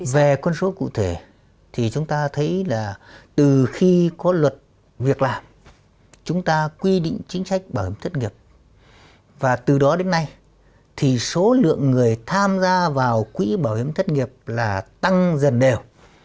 về con số cụ thể thì chúng ta thấy là từ khi có luật việc làm chúng ta quy định chính sách bảo hiểm thất nghiệp và từ đó đến nay thì số lượng người tham gia vào quỹ bảo hiểm thất nghiệp là tăng dần đều